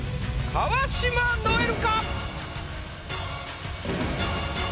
川島如恵留！